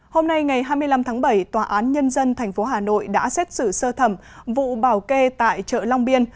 hôm nay ngày hai mươi năm tháng bảy tòa án nhân dân tp hà nội đã xét xử sơ thẩm vụ bảo kê tại chợ long biên